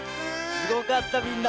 すごかったみんな！